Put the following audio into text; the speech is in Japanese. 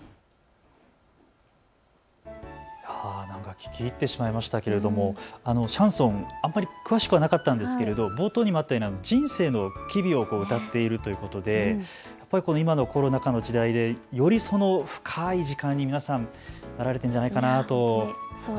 聴き入ってしまいましたけれどもシャンソン、あまり詳しくなかったんですが冒頭にもあったように人生の機微を歌っているということで今のコロナ禍の時代でより深い時間にみんななられているんじゃないかなと。